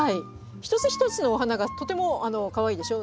一つ一つのお花がとてもかわいいでしょ。